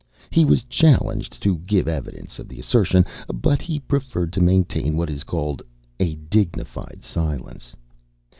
He was challenged to give evidence of the assertion, but he preferred to maintain what is called "a dignified silence."